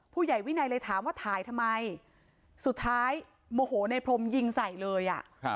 ผู้ใหญ่วินัยเลยถามว่าถ่ายทำไมสุดท้ายโมโหในพรมยิงใส่เลยอ่ะ